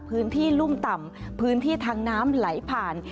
พื้นที่รุ่มต่ำพื้นที่ทางน้ำไหลผ่าน